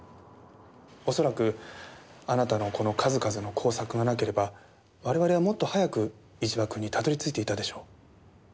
恐らくあなたのこの数々の工作がなければ我々はもっと早く一場君にたどり着いていたでしょう。